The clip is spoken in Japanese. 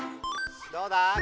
どうだ？